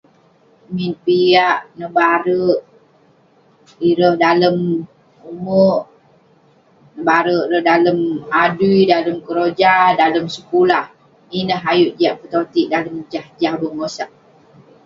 Min piak, nebare ireh dalem ume', nebare ireh dalem adui, dalem keroja, dalem sekulah. Ineh ayuk jiak petoti'ik dalem jah jah bengosak.